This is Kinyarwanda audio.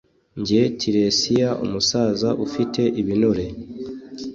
Njye Tiresiya umusaza ufite ibinure